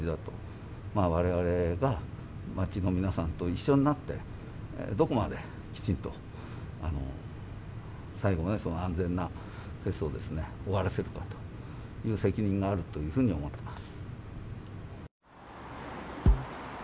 我々が町の皆さんと一緒になってどこまできちんと最後まで安全なフェスをですね終わらせるかという責任があるというふうに思ってます。